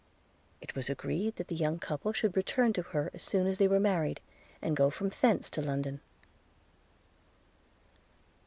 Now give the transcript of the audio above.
– It was agreed that the young couple should return to her as soon as they were married, and go from thence to London.